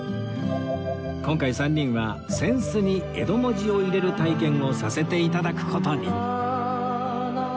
今回３人は扇子に江戸文字を入れる体験をさせて頂く事に